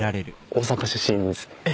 大阪出身ですよね。